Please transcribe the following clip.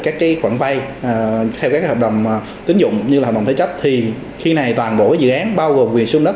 các cái khoản vay theo các hợp đồng tín dụng như là hợp đồng thế chấp thì khi này toàn bộ dự án bao gồm quyền xuống đất